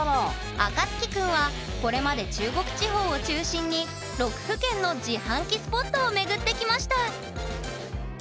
あかつき君はこれまで中国地方を中心に６府県の自販機スポットを巡ってきました